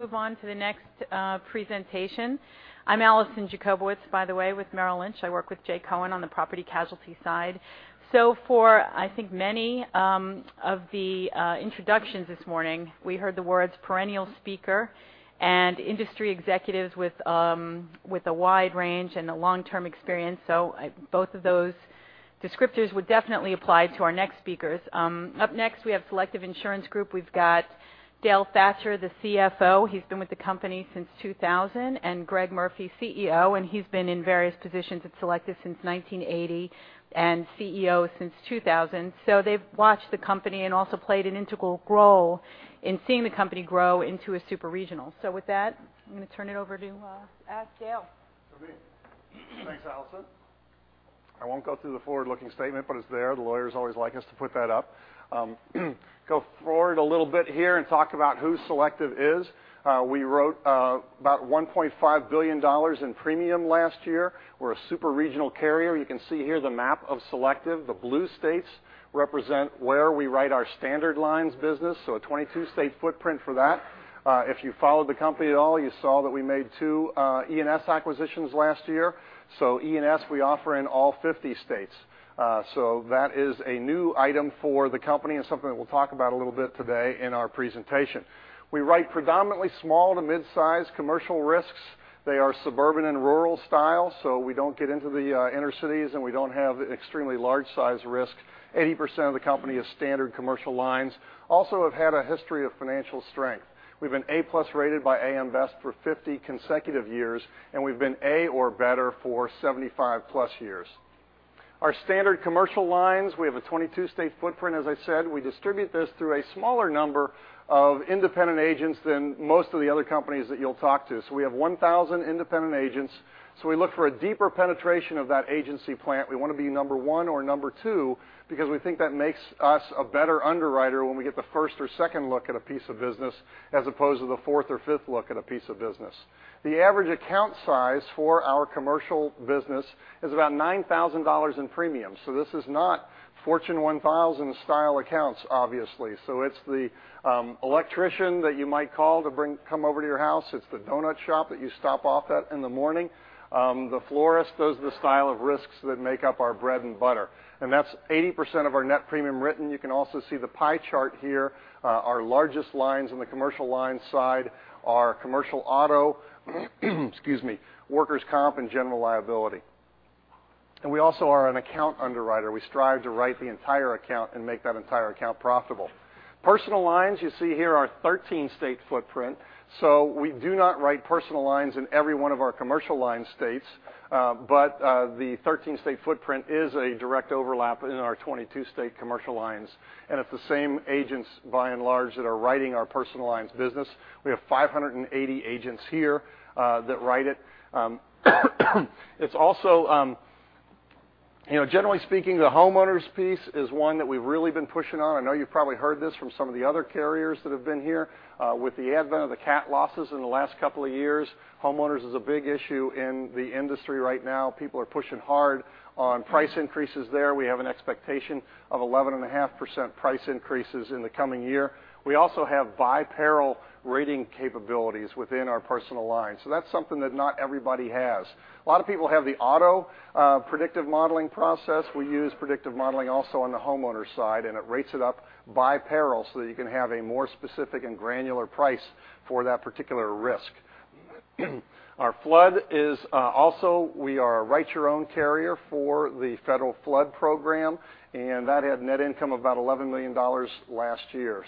Move on to the next presentation. I'm Alison Jacobowitz, by the way, with Merrill Lynch. I work with Jay Cohen on the property casualty side. For, I think many of the introductions this morning, we heard the words perennial speaker and industry executives with a wide range and a long-term experience. Both of those descriptors would definitely apply to our next speakers. Up next, we have Selective Insurance Group. We've got Dale Thatcher, the CFO. He's been with the company since 2000, and Greg Murphy, CEO, and he's been in various positions at Selective since 1980 and CEO since 2000. They've watched the company and also played an integral role in seeing the company grow into a super regional. With that, I'm going to turn it over to Dale. Okay. Thanks, Alison. I won't go through the forward-looking statement, but it's there. The lawyers always like us to put that up. Go forward a little bit here and talk about who Selective is. We wrote about $1.5 billion in premium last year. We're a super regional carrier. You can see here the map of Selective. The blue states represent where we write our standard lines business, a 22-state footprint for that. If you followed the company at all, you saw that we made 2 E&S acquisitions last year. E&S we offer in all 50 states. That is a new item for the company and something that we'll talk about a little bit today in our presentation. We write predominantly small to mid-size commercial risks. They are suburban and rural style, so we don't get into the inner cities, and we don't have extremely large-size risk. 80% of the company is standard commercial lines. Also have had a history of financial strength. We've been A+ rated by AM Best for 50 consecutive years, and we've been A or better for 75+ years. Our standard commercial lines, we have a 22-state footprint, as I said. We distribute this through a smaller number of independent agents than most of the other companies that you'll talk to. We have 1,000 independent agents. We look for a deeper penetration of that agency plant. We want to be number one or number two because we think that makes us a better underwriter when we get the first or second look at a piece of business as opposed to the fourth or fifth look at a piece of business. The average account size for our commercial business is about $9,000 in premiums. This is not Fortune 1000 style accounts, obviously. It's the electrician that you might call to come over to your house. It's the donut shop that you stop off at in the morning. The florist. Those are the style of risks that make up our bread and butter, and that's 80% of our net premium written. You can also see the pie chart here. Our largest lines on the commercial lines side are commercial auto, workers' comp, and general liability. We also are an account underwriter. We strive to write the entire account and make that entire account profitable. Personal lines, you see here, our 13-state footprint. We do not write personal lines in every one of our commercial line states. The 13-state footprint is a direct overlap in our 22-state commercial lines, and it's the same agents by and large that are writing our personal lines business. We have 580 agents here that write it. It's also, generally speaking, the Homeowners piece is one that we've really been pushing on. I know you've probably heard this from some of the other carriers that have been here. With the advent of the cat losses in the last couple of years, Homeowners is a big issue in the industry right now. People are pushing hard on price increases there. We have an expectation of 11.5% price increases in the coming year. We also have by-peril rating capabilities within our personal lines. That's something that not everybody has. A lot of people have the auto predictive modeling process. We use predictive modeling also on the Homeowners side, and it rates it up by-peril so that you can have a more specific and granular price for that particular risk. Our flood is also, we are a write-your-own carrier for the federal flood program, and that had net income about $11 million last year.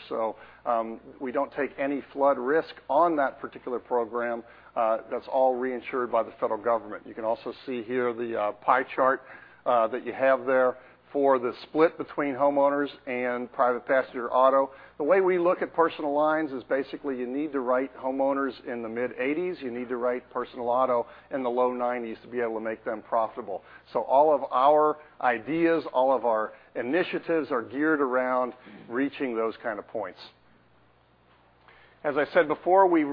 We don't take any flood risk on that particular program. That's all reinsured by the federal government. You can also see here the pie chart that you have there for the split between Homeowners and Private Passenger Auto. The way we look at personal lines is basically you need to write Homeowners in the mid-80s. You need to write personal auto in the low 90s to be able to make them profitable. All of our ideas, all of our initiatives are geared around reaching those kind of points. As I said before, we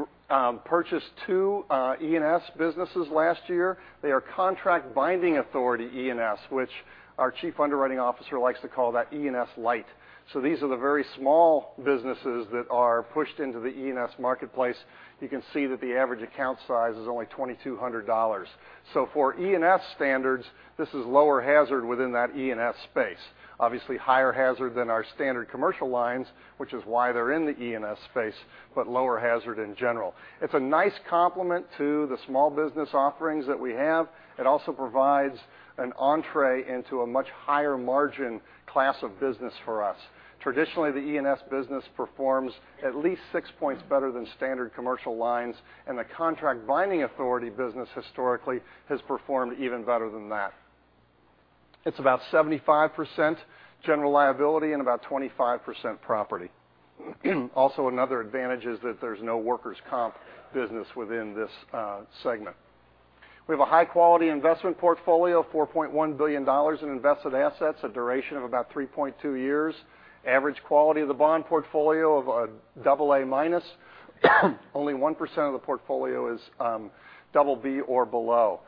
purchased two E&S businesses last year. They are contract binding authority E&S, which our chief underwriting officer likes to call that E&S light. These are the very small businesses that are pushed into the E&S marketplace. You can see that the average account size is only $2,200. For E&S standards, this is lower hazard within that E&S space. Obviously higher hazard than our standard commercial lines, which is why they're in the E&S space, but lower hazard in general. It's a nice complement to the small business offerings that we have. It also provides an entrée into a much higher margin class of business for us. Traditionally, the E&S business performs at least six points better than standard commercial lines, and the contract binding authority business historically has performed even better than that. It's about 75% general liability and about 25% property. Also another advantage is that there's no workers' comp business within this segment. We have a high-quality investment portfolio of $4.1 billion in invested assets, a duration of about 3.2 years. Average quality of the bond portfolio of a double A minus. Only 1% of the portfolio is double B or below.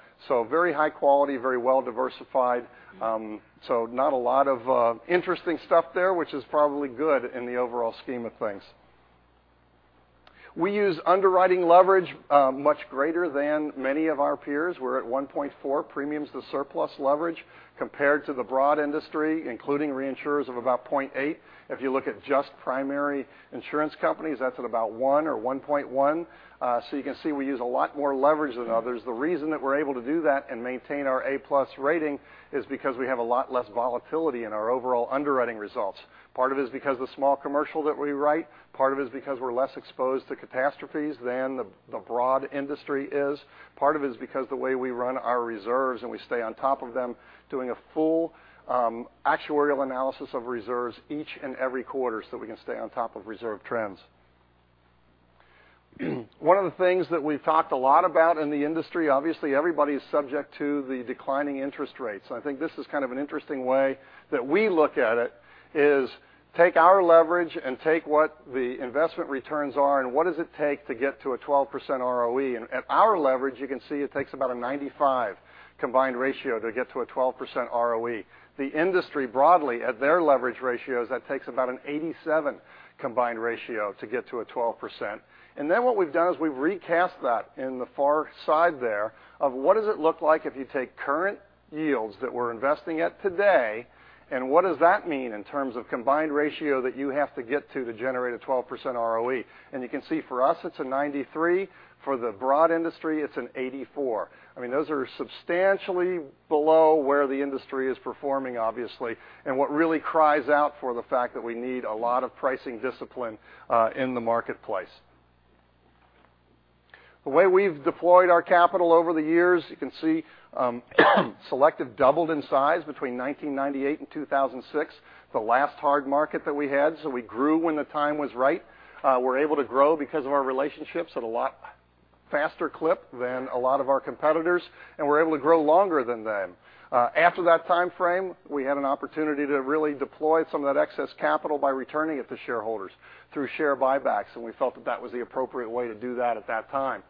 Very high quality, very well diversified. Not a lot of interesting stuff there, which is probably good in the overall scheme of things. We use underwriting leverage much greater than many of our peers. We're at 1.4 premiums to surplus leverage compared to the broad industry, including reinsurers of about 0.8. If you look at just primary insurance companies, that's at about 1 or 1.1. You can see we use a lot more leverage than others. The reason that we're able to do that and maintain our A+ rating is because we have a lot less volatility in our overall underwriting results. Part of it is because the small commercial that we write, part of it is because we're less exposed to catastrophes than the broad industry is. Part of it is because the way we run our reserves, and we stay on top of them, doing a full actuarial analysis of reserves each and every quarter so that we can stay on top of reserve trends. One of the things that we've talked a lot about in the industry, obviously, everybody is subject to the declining interest rates. I think this is kind of an interesting way that we look at it, is take our leverage and take what the investment returns are and what does it take to get to a 12% ROE. At our leverage, you can see it takes about a 95 combined ratio to get to a 12% ROE. The industry broadly, at their leverage ratios, that takes about an 87 combined ratio to get to a 12%. What we've done is we've recast that in the far side there of what does it look like if you take current yields that we're investing at today, and what does that mean in terms of combined ratio that you have to get to generate a 12% ROE? You can see for us, it's a 93, for the broad industry, it's an 84. I mean, those are substantially below where the industry is performing, obviously, and what really cries out for the fact that we need a lot of pricing discipline in the marketplace. The way we've deployed our capital over the years, you can see Selective doubled in size between 1998 and 2006, the last hard market that we had. We grew when the time was right. We're able to grow because of our relationships at a lot faster clip than a lot of our competitors, and we're able to grow longer than them. After that timeframe, we had an opportunity to really deploy some of that excess capital by returning it to shareholders through share buybacks, and we felt that that was the appropriate way to do that at that time.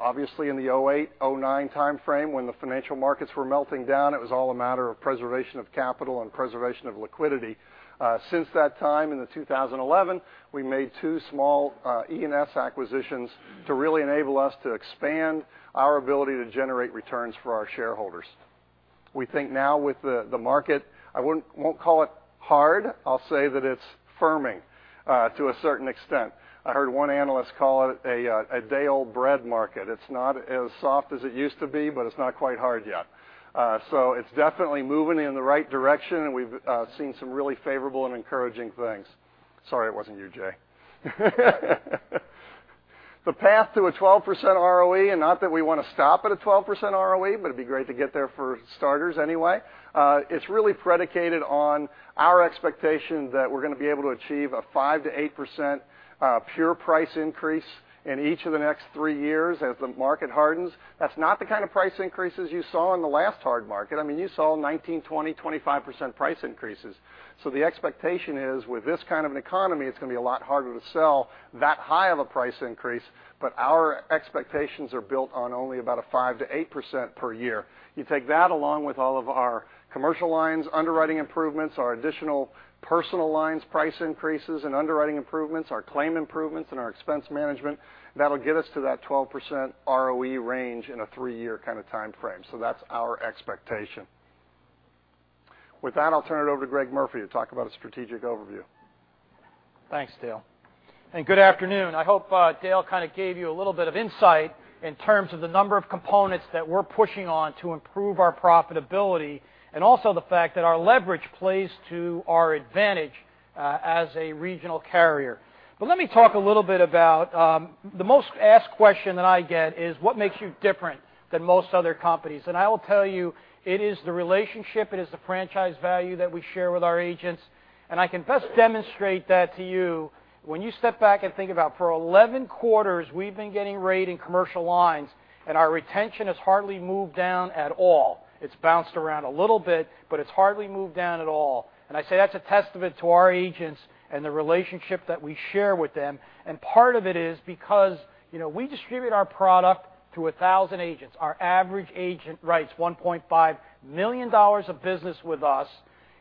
Obviously, in the 2008, 2009 timeframe, when the financial markets were melting down, it was all a matter of preservation of capital and preservation of liquidity. Since that time in 2011, we made two small E&S acquisitions to really enable us to expand our ability to generate returns for our shareholders. We think now with the market, I won't call it hard, I'll say that it's firming to a certain extent. I heard one analyst call it a day-old bread market. It's not as soft as it used to be, but it's not quite hard yet. It's definitely moving in the right direction, and we've seen some really favorable and encouraging things. Sorry, it wasn't you, Jay. The path to a 12% ROE, not that we want to stop at a 12% ROE, but it'd be great to get there for starters anyway. It's really predicated on our expectation that we're going to be able to achieve a 5%-8% pure price increase in each of the next three years as the market hardens. That's not the kind of price increases you saw in the last hard market. I mean, you saw 19%, 20%, 25% price increases. The expectation is with this kind of an economy, it's going to be a lot harder to sell that high of a price increase, but our expectations are built on only about a 5%-8% per year. You take that along with all of our Commercial Lines underwriting improvements, our additional Personal Lines price increases in underwriting improvements, our claim improvements, and our expense management, that'll get us to that 12% ROE range in a three-year kind of timeframe. That's our expectation. With that, I'll turn it over to Greg Murphy to talk about a strategic overview. Thanks, Dale. Good afternoon. I hope Dale kind of gave you a little bit of insight in terms of the number of components that we're pushing on to improve our profitability, and also the fact that our leverage plays to our advantage as a regional carrier. Let me talk a little bit about the most asked question that I get is, what makes you different than most other companies? I will tell you it is the relationship, it is the franchise value that we share with our agents. I can best demonstrate that to you when you step back and think about, for 11 quarters, we've been getting rated Commercial Lines and our retention has hardly moved down at all. It's bounced around a little bit, but it's hardly moved down at all. I say that's a testament to our agents and the relationship that we share with them. Part of it is because we distribute our product to 1,000 agents. Our average agent writes $1.5 million of business with us.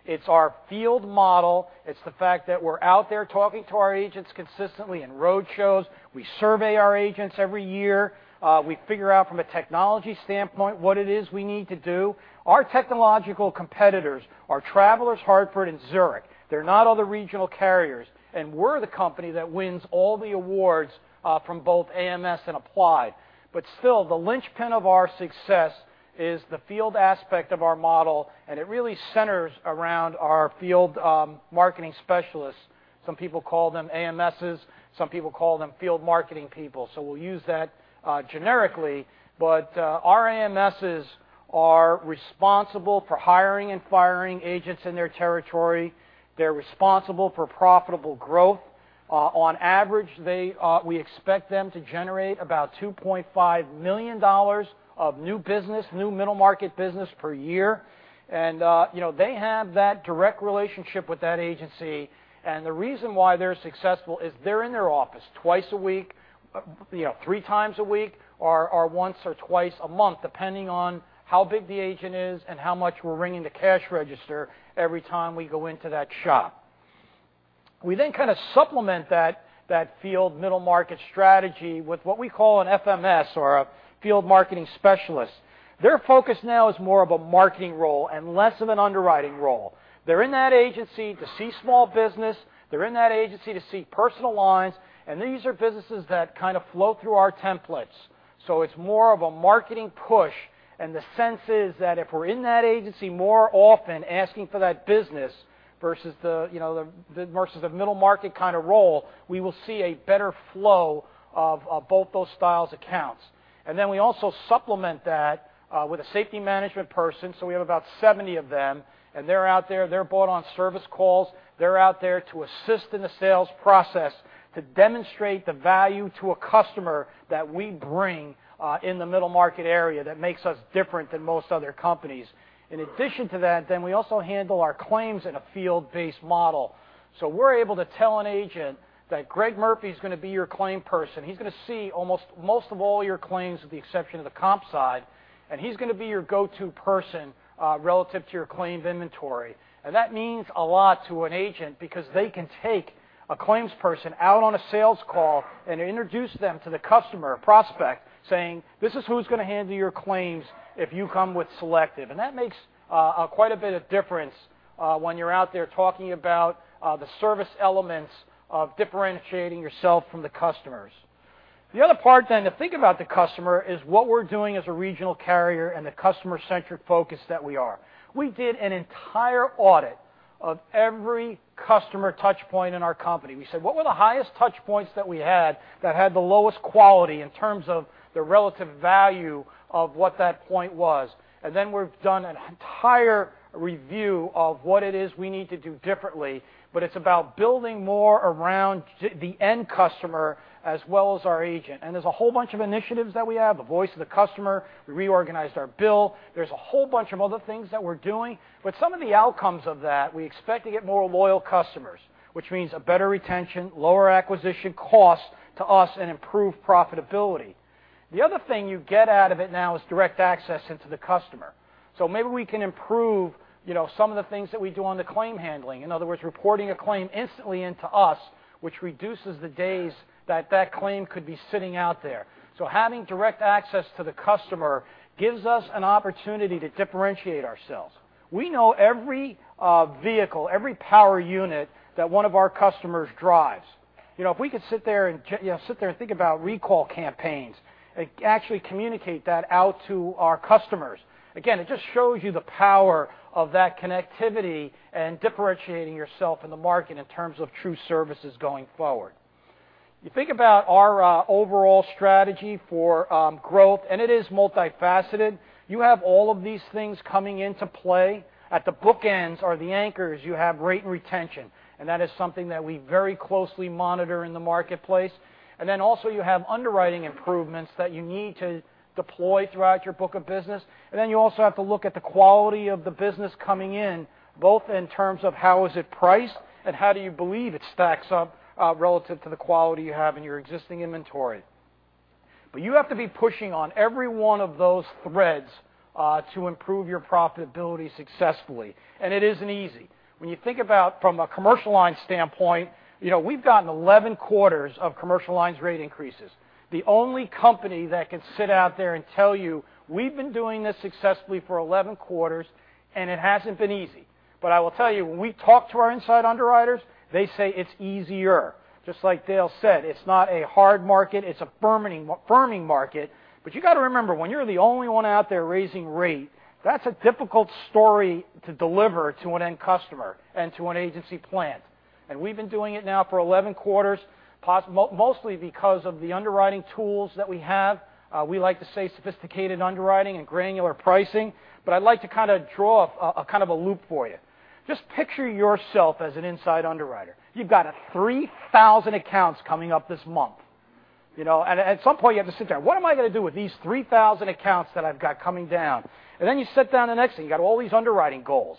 It's our field model. It's the fact that we're out there talking to our agents consistently in road shows. We survey our agents every year. We figure out from a technology standpoint what it is we need to do. Our technological competitors are Travelers, Hartford, and Zurich. They're not other regional carriers, and we're the company that wins all the awards from both AMS and Applied. Still, the linchpin of our success is the field aspect of our model, and it really centers around our field marketing specialists. Some people call them AMSs, some people call them field marketing people, we'll use that generically. Our AMSs are responsible for hiring and firing agents in their territory. They're responsible for profitable growth. On average, we expect them to generate about $2.5 million of new business, new middle market business per year. They have that direct relationship with that agency, the reason why they're successful is they're in their office twice a week, three times a week, or once or twice a month, depending on how big the agent is and how much we're ringing the cash register every time we go into that shop. We kind of supplement that field middle market strategy with what we call an FMS or a field marketing specialist. Their focus now is more of a marketing role and less of an underwriting role. They're in that agency to see small business, they're in that agency to see personal lines, these are businesses that kind of flow through our templates. It's more of a marketing push, the sense is that if we're in that agency more often asking for that business versus the middle market kind of role, we will see a better flow of both those styles accounts. We also supplement that with a safety management person. We have about 70 of them, they're out there, they're brought on service calls. They're out there to assist in the sales process to demonstrate the value to a customer that we bring in the middle market area that makes us different than most other companies. In addition to that, we also handle our claims in a field-based model. We're able to tell an agent that Greg Murphy's going to be your claim person. He's going to see almost most of all your claims with the exception of the comp side, he's going to be your go-to person, relative to your claims inventory. That means a lot to an agent because they can take a claims person out on a sales call and introduce them to the customer prospect, saying, "This is who's going to handle your claims if you come with Selective." That makes quite a bit of difference when you're out there talking about the service elements of differentiating yourself from the customers. The other part to think about the customer is what we're doing as a regional carrier and the customer-centric focus that we are. We did an entire audit of every customer touchpoint in our company. We said, what were the highest touchpoints that we had that had the lowest quality in terms of the relative value of what that point was. We've done an entire review of what it is we need to do differently, it's about building more around the end customer as well as our agent. There's a whole bunch of initiatives that we have, the voice of the customer. We reorganized our bill. There's a whole bunch of other things that we're doing, some of the outcomes of that, we expect to get more loyal customers, which means a better retention, lower acquisition cost to us, improved profitability. The other thing you get out of it now is direct access into the customer. Maybe we can improve some of the things that we do on the claim handling. In other words, reporting a claim instantly into us, which reduces the days that that claim could be sitting out there. Having direct access to the customer gives us an opportunity to differentiate ourselves. We know every vehicle, every power unit that one of our customers drives. If we could sit there and think about recall campaigns and actually communicate that out to our customers. Again, it just shows you the power of that connectivity and differentiating yourself in the market in terms of true services going forward. You think about our overall strategy for growth, and it is multifaceted. You have all of these things coming into play. At the bookends or the anchors, you have rate and retention, and that is something that we very closely monitor in the marketplace. You also have underwriting improvements that you need to deploy throughout your book of business. You also have to look at the quality of the business coming in, both in terms of how is it priced and how do you believe it stacks up, relative to the quality you have in your existing inventory. You have to be pushing on every one of those threads to improve your profitability successfully. It isn't easy. When you think about from a commercial lines standpoint, we've gotten 11 quarters of commercial lines rate increases. The only company that can sit out there and tell you, we've been doing this successfully for 11 quarters, and it hasn't been easy. I will tell you, when we talk to our inside underwriters, they say it's easier. Just like Dale said, it's not a hard market, it's a firming market. You got to remember, when you're the only one out there raising rate, that's a difficult story to deliver to an end customer and to an agency plant. We've been doing it now for 11 quarters, mostly because of the underwriting tools that we have. We like to say sophisticated underwriting and granular pricing, I'd like to draw a loop for you. Just picture yourself as an inside underwriter. You've got 3,000 accounts coming up this month. At some point you have to sit there, what am I going to do with these 3,000 accounts that I've got coming down? You sit down the next thing, you got all these underwriting goals.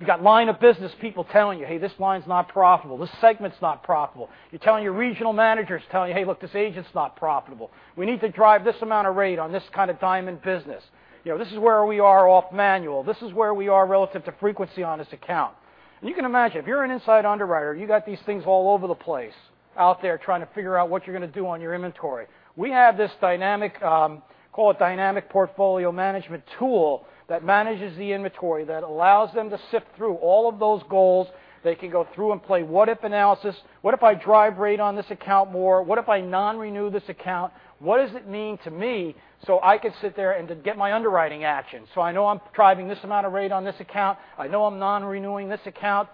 You got line of business people telling you, hey, this line's not profitable. This segment's not profitable. You're telling your regional managers telling you, hey, look, this agent's not profitable. We need to drive this amount of rate on this kind of diamond business. This is where we are off manual. This is where we are relative to frequency on this account. You can imagine, if you're an inside underwriter, you got these things all over the place out there trying to figure out what you're going to do on your inventory. We have this dynamic, call it dynamic portfolio management tool that manages the inventory, that allows them to sift through all of those goals. They can go through and play what if analysis. What if I drive rate on this account more? What if I non-renew this account? What does it mean to me so I could sit there and get my underwriting action? I know I'm driving this amount of rate on this account. I know I'm non-renewing this account.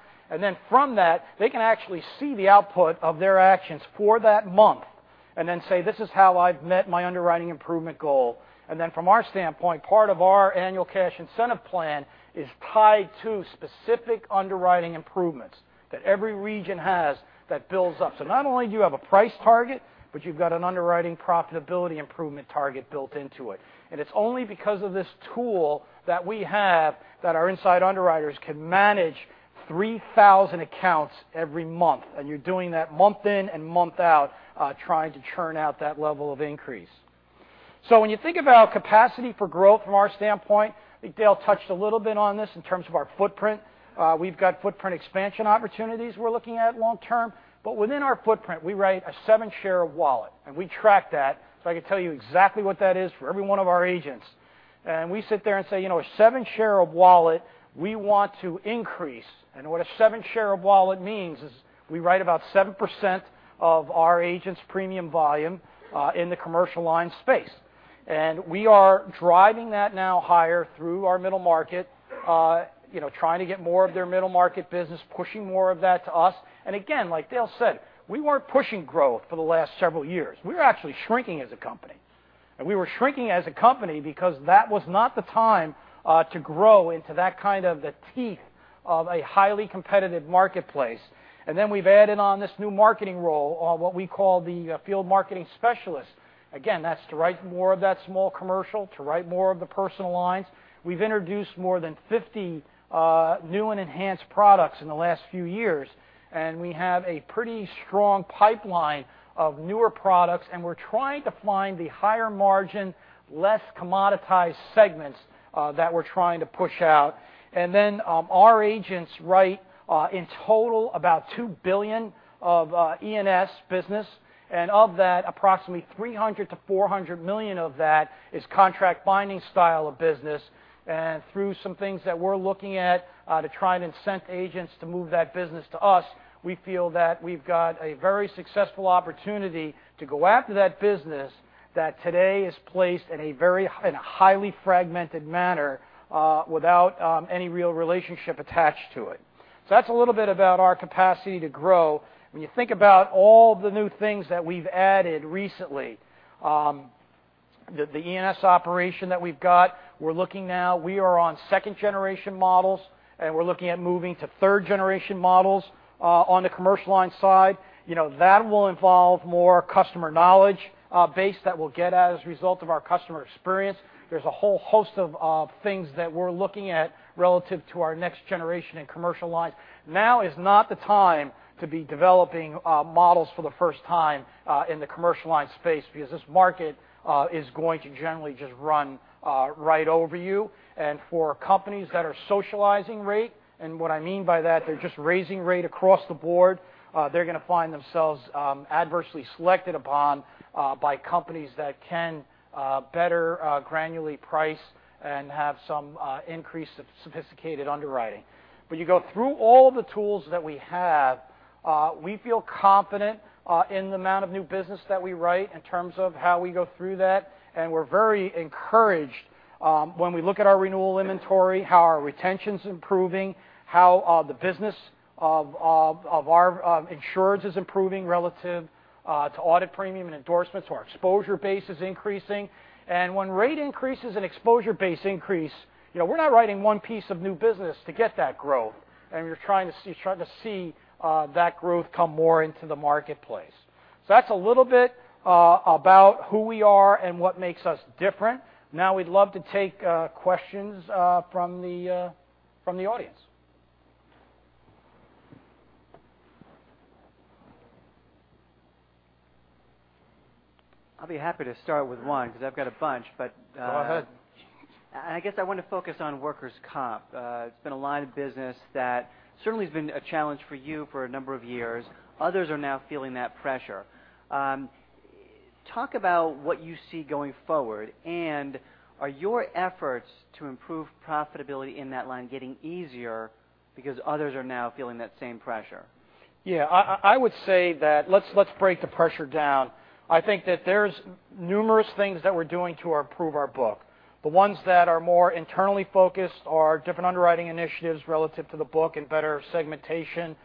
From that, they can actually see the output of their actions for that month and then say, this is how I've met my underwriting improvement goal. From our standpoint, part of our annual cash incentive plan is tied to specific underwriting improvements that every region has that builds up. Not only do you have a price target, but you've got an underwriting profitability improvement target built into it. It's only because of this tool that we have that our inside underwriters can manage 3,000 accounts every month, and you're doing that month in and month out, trying to churn out that level of increase. When you think about capacity for growth from our standpoint, I think Dale touched a little bit on this in terms of our footprint. We've got footprint expansion opportunities we're looking at long term. Within our footprint, we write a 7 share of wallet, and we track that. I can tell you exactly what that is for every one of our agents. We sit there and say, a 7 share of wallet, we want to increase. What a 7 share of wallet means is we write about 7% of our agents' premium volume in the commercial line space. We are driving that now higher through our middle market, trying to get more of their middle market business, pushing more of that to us. Again, like Dale said, we weren't pushing growth for the last several years. We were actually shrinking as a company, and we were shrinking as a company because that was not the time to grow into that kind of the teeth of a highly competitive marketplace. We've added on this new marketing role, what we call the field marketing specialist. Again, that's to write more of that small commercial, to write more of the personal lines. We've introduced more than 50 new and enhanced products in the last few years, and we have a pretty strong pipeline of newer products, and we're trying to find the higher margin, less commoditized segments that we're trying to push out. Our agents write, in total, about $2 billion of E&S business, and of that, approximately $300 million-$400 million of that is contract binding style of business. Through some things that we're looking at to try and incent agents to move that business to us, we feel that we've got a very successful opportunity to go after that business that today is placed in a highly fragmented manner without any real relationship attached to it. That's a little bit about our capacity to grow. When you think about all the new things that we've added recently, the E&S operation that we've got, we're looking now, we are on second generation models, and we're looking at moving to third generation models on the commercial line side. That will involve more customer knowledge base that we'll get at as a result of our customer experience. There's a whole host of things that we're looking at relative to our next generation in commercial lines. Now is not the time to be developing models for the first time in the commercial line space because this market is going to generally just run right over you. For companies that are socializing rate, and what I mean by that, they're just raising rate across the board, they're going to find themselves adversely selected upon by companies that can better granularly price and have some increased sophisticated underwriting. You go through all the tools that we have, we feel confident in the amount of new business that we write in terms of how we go through that, and we're very encouraged when we look at our renewal inventory, how our retention's improving, how the business of our insureds is improving relative to audit premium and endorsements. Our exposure base is increasing. When rate increases and exposure base increase, we're not writing one piece of new business to get that growth, and you're trying to see that growth come more into the marketplace. That's a little bit about who we are and what makes us different. Now, we'd love to take questions from the audience. I'll be happy to start with one because I've got a bunch. Go ahead I guess I want to focus on workers' comp. It's been a line of business that certainly has been a challenge for you for a number of years. Others are now feeling that pressure. Talk about what you see going forward, and are your efforts to improve profitability in that line getting easier because others are now feeling that same pressure? Yeah. I would say that let's break the pressure down. I think that there's numerous things that we're doing to improve our book. The ones that are more internally focused are different underwriting initiatives relative to the book and better segmentation.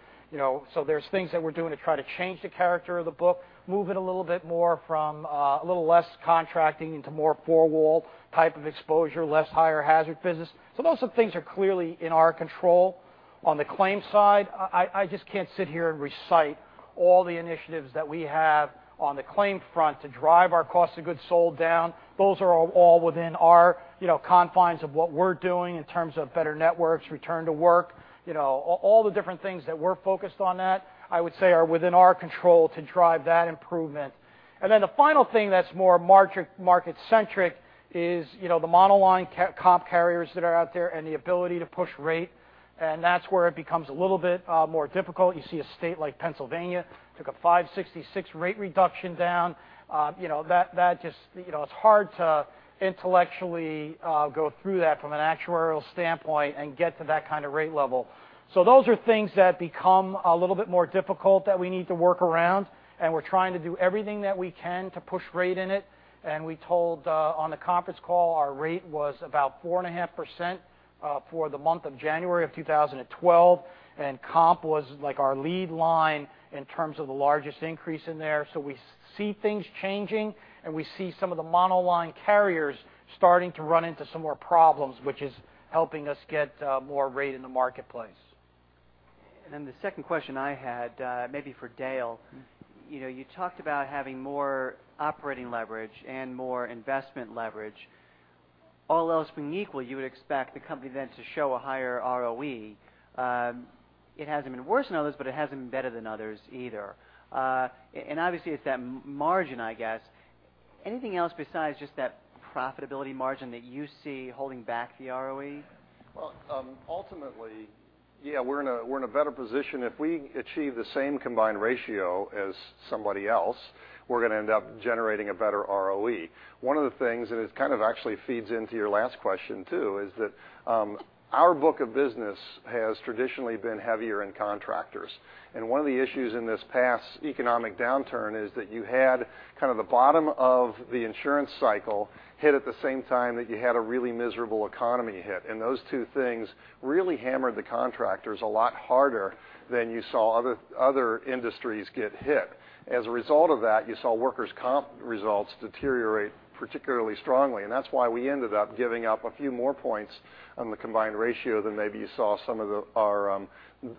There's things that we're doing to try to change the character of the book, move it a little bit more from a little less contracting into more four-wall type of exposure, less higher hazard business. Those are things are clearly in our control. On the claims side, I just can't sit here and recite all the initiatives that we have on the claim front to drive our cost of goods sold down. Those are all within our confines of what we're doing in terms of better networks, return to work. All the different things that we're focused on that, I would say, are within our control to drive that improvement. Then the final thing that's more market centric is the monoline comp carriers that are out there and the ability to push rate, and that's where it becomes a little bit more difficult. You see a state like Pennsylvania took a 5.66% rate reduction down. It's hard to intellectually go through that from an actuarial standpoint and get to that kind of rate level. Those are things that become a little bit more difficult that we need to work around, and we're trying to do everything that we can to push rate in it. We told on the conference call, our rate was about 4.5% for the month of January of 2012, and comp was our lead line in terms of the largest increase in there. We see things changing, and we see some of the monoline carriers starting to run into some more problems, which is helping us get more rate in the marketplace. The second question I had, maybe for Dale. You talked about having more operating leverage and more investment leverage. All else being equal, you would expect the company then to show a higher ROE. It hasn't been worse than others, but it hasn't been better than others either. Obviously, it's that margin, I guess. Anything else besides just that profitability margin that you see holding back the ROE? Well, ultimately, we're in a better position. If we achieve the same combined ratio as somebody else, we're going to end up generating a better ROE. One of the things, and it kind of actually feeds into your last question, too, is that our book of business has traditionally been heavier in contractors. One of the issues in this past economic downturn is that you had kind of the bottom of the insurance cycle hit at the same time that you had a really miserable economy hit. Those two things really hammered the contractors a lot harder than you saw other industries get hit. As a result of that, you saw workers' comp results deteriorate particularly strongly, and that's why we ended up giving up a few more points on the combined ratio than maybe you saw some of our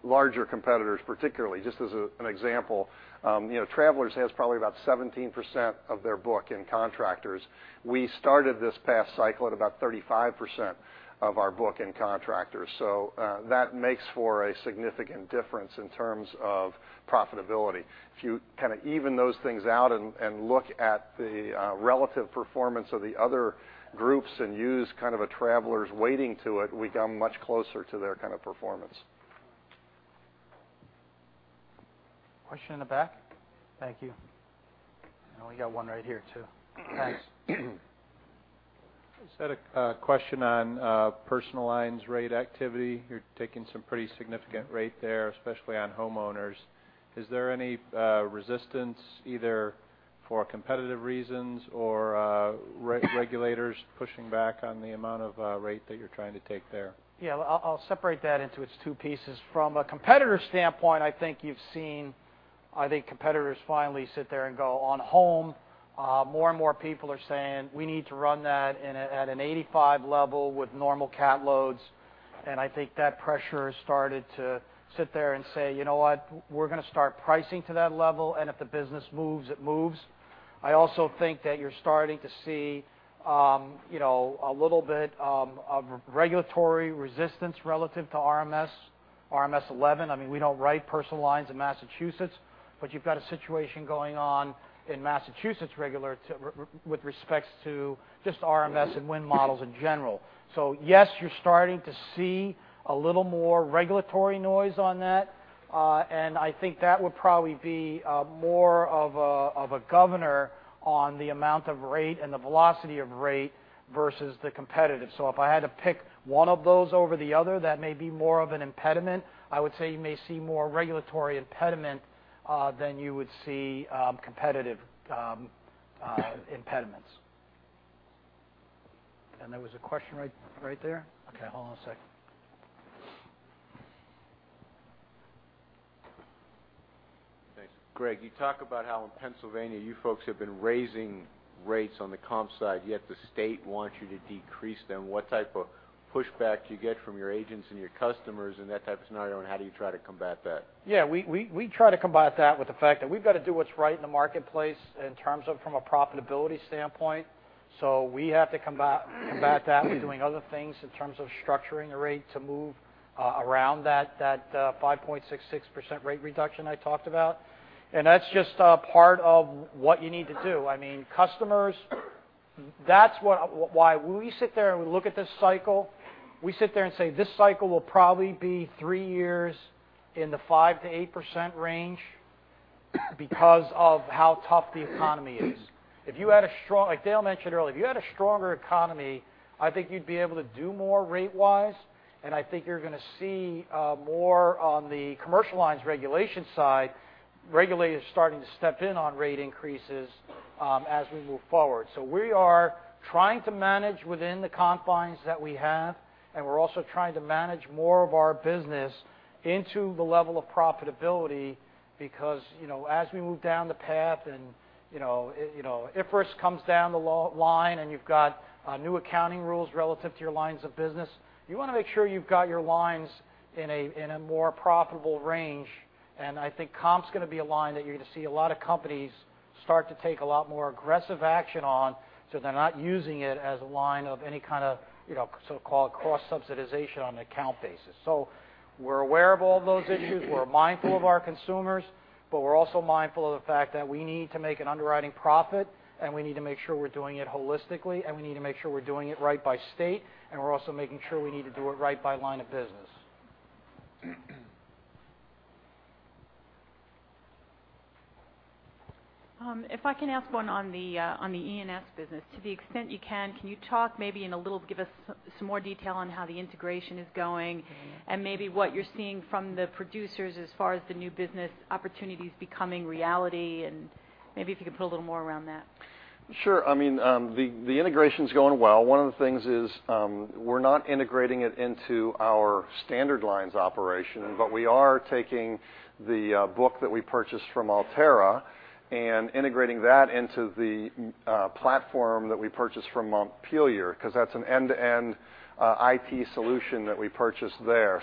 larger competitors, particularly. Just as an example, Travelers has probably about 17% of their book in contractors. We started this past cycle at about 35% of our book in contractors. That makes for a significant difference in terms of profitability. If you kind of even those things out and look at the relative performance of the other groups and use kind of a Travelers weighting to it, we come much closer to their kind of performance. Question in the back? Thank you. We got one right here, too. Thanks. Just had a question on personal lines rate activity. You're taking some pretty significant rate there, especially on homeowners. Is there any resistance, either for competitive reasons or regulators pushing back on the amount of rate that you're trying to take there? Yeah, I'll separate that into its two pieces. From a competitor standpoint, I think you've seen competitors finally sit there and go on home. More and more people are saying, "We need to run that at an 85 level with normal cat loads." I think that pressure has started to sit there and say, "You know what? We're going to start pricing to that level, and if the business moves, it moves." I also think that you're starting to see a little bit of regulatory resistance relative to RMS 11. We don't write personal lines in Massachusetts, but you've got a situation going on in Massachusetts with respects to just RMS and wind models in general. Yes, you're starting to see a little more regulatory noise on that. I think that would probably be more of a governor on the amount of rate and the velocity of rate versus the competitive. If I had to pick one of those over the other, that may be more of an impediment. I would say you may see more regulatory impediment than you would see competitive impediments. There was a question right there. Okay, hold on a sec. Thanks. Greg, you talk about how in Pennsylvania, you folks have been raising rates on the comp side, yet the state wants you to decrease them. What type of pushback do you get from your agents and your customers in that type of scenario, and how do you try to combat that? Yeah, we try to combat that with the fact that we've got to do what's right in the marketplace in terms of from a profitability standpoint. We have to combat that with doing other things in terms of structuring the rate to move around that 5.66% rate reduction I talked about. That's just a part of what you need to do. When we sit there and we look at this cycle, we sit there and say, "This cycle will probably be three years in the 5%-8% range because of how tough the economy is." Like Dale mentioned earlier, if you had a stronger economy, I think you'd be able to do more rate-wise, and I think you're going to see more on the commercial lines regulation side, regulators starting to step in on rate increases as we move forward. We are trying to manage within the confines that we have, and we're also trying to manage more of our business into the level of profitability, because as we move down the path and IFRS comes down the line, and you've got new accounting rules relative to your lines of business, you want to make sure you've got your lines in a more profitable range. I think comp's going to be a line that you're going to see a lot of companies start to take a lot more aggressive action on, so they're not using it as a line of any kind of so-called cross-subsidization on an account basis. We're aware of all those issues. We're mindful of our consumers. We're also mindful of the fact that we need to make an underwriting profit. We need to make sure we're doing it holistically. We need to make sure we're doing it right by state. We're also making sure we need to do it right by line of business. If I can ask one on the E&S business. To the extent you can you talk maybe, give us some more detail on how the integration is going and maybe what you're seeing from the producers as far as the new business opportunities becoming reality, and maybe if you could put a little more around that? Sure. The integration's going well. One of the things is, we're not integrating it into our standard lines operation, but we are taking the book that we purchased from Alterra and integrating that into the platform that we purchased from Montpelier, because that's an end-to-end IT solution that we purchased there.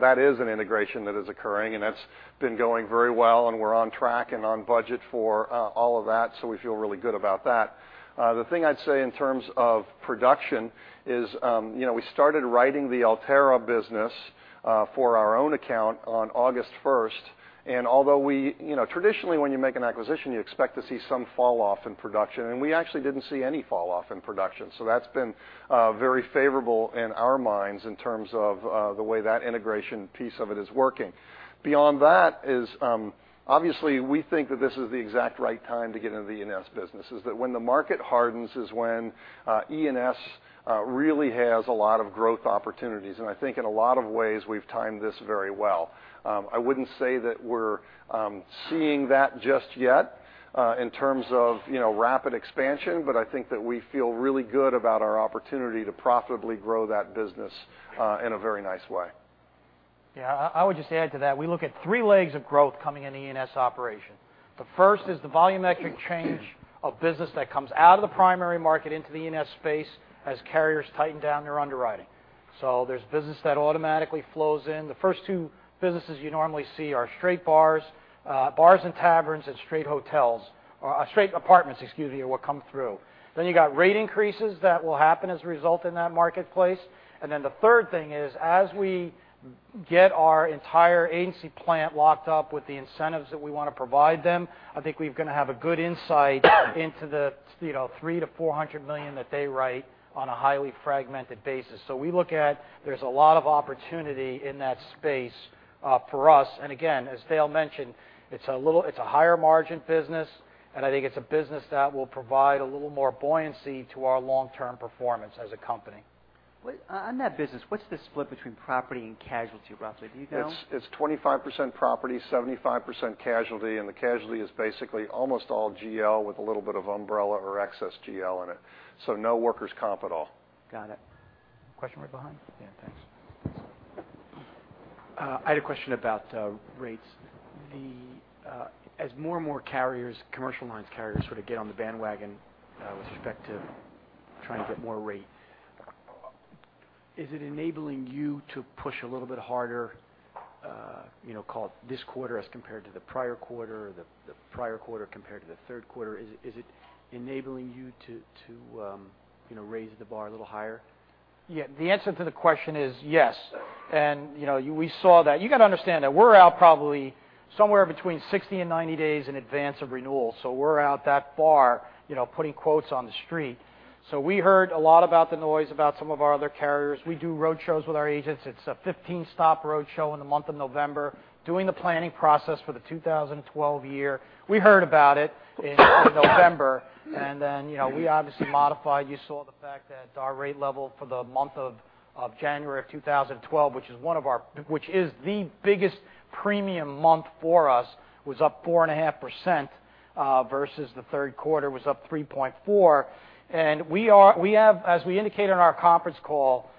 That is an integration that is occurring, and that's been going very well, and we're on track and on budget for all of that, so we feel really good about that. The thing I'd say in terms of production is we started writing the Alterra business for our own account on August 1st. Although traditionally, when you make an acquisition, you expect to see some fall-off in production, and we actually didn't see any fall-off in production. That's been very favorable in our minds in terms of the way that integration piece of it is working. Yeah. I would just add to that. We look at three legs of growth coming into E&S operation. The first is the volumetric change of business that comes out of the primary market into the E&S space as carriers tighten down their underwriting. There's business that automatically flows in. The first two businesses you normally see are straight bars and taverns, and straight apartments, excuse me, will come through. You got rate increases that will happen as a result in that marketplace. The third thing is, as we get our entire agency plant locked up with the incentives that we want to provide them, I think we're going to have a good insight into the $300 million-$400 million that they write on a highly fragmented basis. We look at there's a lot of opportunity in that space for I had a question about rates. As more and more carriers, commercial lines carriers sort of get on the bandwagon with respect to trying to get more rate, is it enabling you to push a little bit harder, call it this quarter as compared to the prior quarter, or the prior quarter compared to the third quarter? Is it enabling you to raise the bar a little higher? Yeah, the answer to the question is yes. Okay. We saw that. You got to understand that we're out probably somewhere between 60 and 90 days in advance of renewal, so we're out that far, putting quotes on the street. We heard a lot about the noise, about some of our other carriers. We do road shows with our agents. It's a 15-stop road show in the month of November, doing the planning process for the 2012 year. We heard about it in November, then we obviously modified. You saw the fact that our rate level for the month of January of 2012, which is the biggest premium month for us, was up 4.5% versus the third quarter was up 3.4%. As we indicated on our conference call,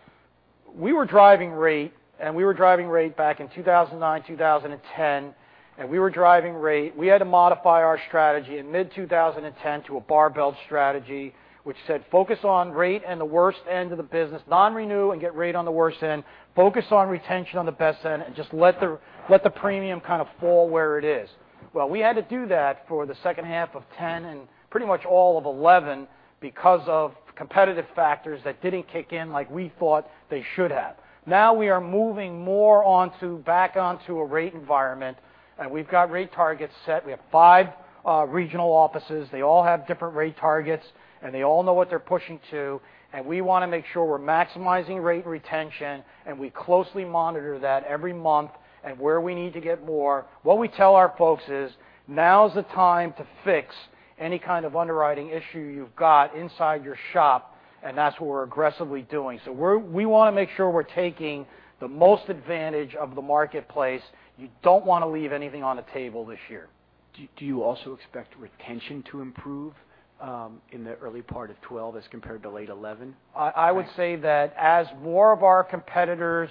we were driving rate, and we were driving rate back in 2009, 2010, and we were driving rate. We had to modify our strategy in mid-2010 to a barbell strategy, which said focus on rate and the worst end of the business, non-renew and get rate on the worst end, focus on retention on the best end, and just let the premium kind of fall where it is. We had to do that for the second half of 2010 and pretty much all of 2011 because of competitive factors that didn't kick in like we thought they should have. We are moving more back onto a rate environment, and we've got rate targets set. We have five regional offices. They all have different rate targets, and they all know what they're pushing to, and we want to make sure we're maximizing rate retention, and we closely monitor that every month and where we need to get more. What we tell our folks is, "Now's the time to fix any kind of underwriting issue you've got inside your shop," and that's what we're aggressively doing. We want to make sure we're taking the most advantage of the marketplace. You don't want to leave anything on the table this year. Do you also expect retention to improve in the early part of 2012 as compared to late 2011? I would say that as more of our competitors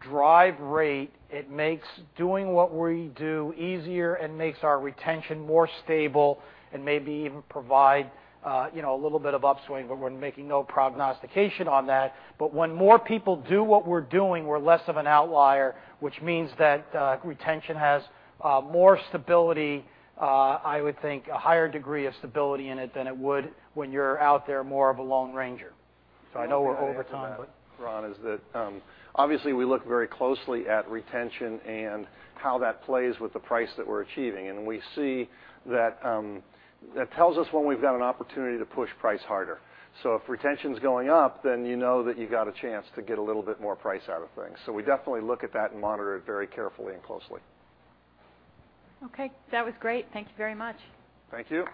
drive rate, it makes doing what we do easier and makes our retention more stable and maybe even provide a little bit of upswing. We're making no prognostication on that. When more people do what we're doing, we're less of an outlier, which means that retention has more stability, I would think, a higher degree of stability in it than it would when you're out there more of a lone ranger. I know we're over time. If I may add to that, Ron, is that obviously, we look very closely at retention and how that plays with the price that we're achieving, and we see that that tells us when we've got an opportunity to push price harder. If retention's going up, then you know that you got a chance to get a little bit more price out of things. We definitely look at that and monitor it very carefully and closely. Okay, that was great. Thank you very much. Thank you.